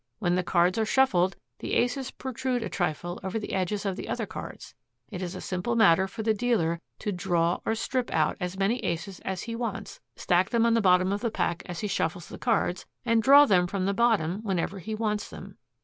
When the cards are shuffled the aces protrude a trifle over the edges of the other cards. It is a simple matter for the dealer to draw or strip out as many aces as he wants, stack them on the bottom of the pack as he shuffles the cards, and draw them from the bottom whenever he wants them.